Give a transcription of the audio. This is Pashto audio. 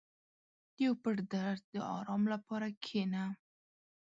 • د یو پټ درد د آرام لپاره کښېنه.